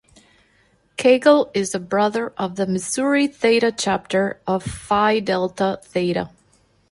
Cagle is a brother of the Missouri Theta Chapter of Phi Delta Theta.